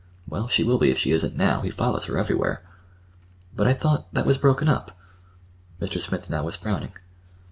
"Well, she will be, if she isn't now. He follows her everywhere." "But I thought—that was broken up." Mr. Smith now was frowning.